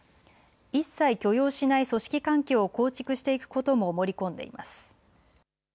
一切許容しない組織環境を構築していくことも盛り込んでいます。